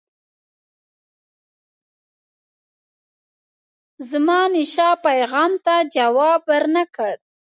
زمانشاه پیغام ته جواب ورنه کړ.